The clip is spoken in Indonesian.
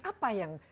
apa yang selama ini